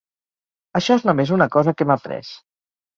Això és només una cosa que hem après.